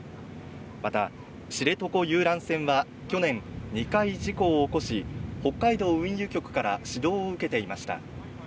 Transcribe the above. また、知床遊覧船は去年、２回事故を起こし、北海道運輸局から指導を受けていました。